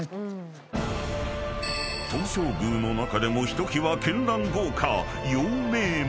［東照宮の中でもひときわ絢爛豪華］